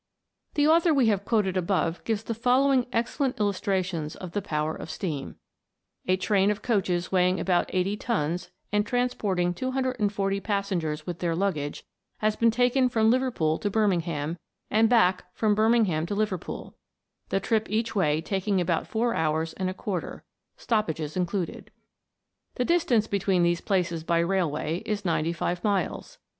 The author we have quoted above gives the fol lowing excellent illustrations of the power of steam : A train of coaches weighing about 80 tons, and transporting 240 passengers with their luggage, has been taken from Liverpool to Birming ham, and back from Birmingham to Liverpool ; the trip each way taking about four hours and a quarter, stoppages included. The distance between these places by railway is 95 miles.